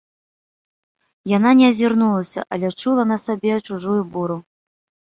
Яна не азірнулася, але чула на сабе чужую буру.